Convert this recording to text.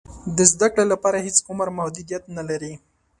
د زده کړې لپاره هېڅ عمر محدودیت نه لري.